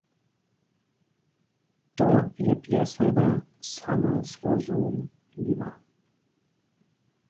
To je bjesada samozrozumliwa.